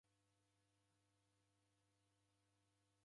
Agho ni malagho gha kala.